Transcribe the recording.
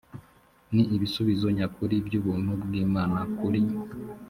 ni ibisubizo nyakuri by ubuntu bw imana kuri